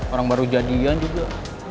orang baru jadian juga